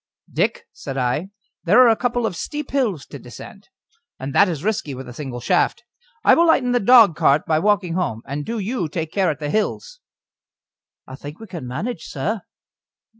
"Dick," said I, "there are a couple of steep hills to descend, and that is risky with a single shaft. I will lighten the dogcart by walking home, and do you take care at the hills." "I think we can manage, sir."